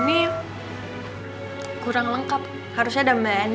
ini tuh angkap harusnya ada menu